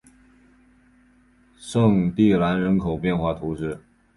圣蒂兰人口变化图示